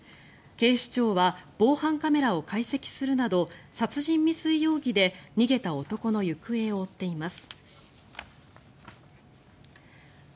警視庁は防犯カメラを解析するなど殺人未遂容疑で逃げた男の行方を追っています。